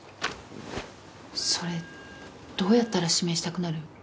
それどうやったら指名したくなる？